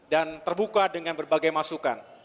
dan terbuka dengan berbagai masukan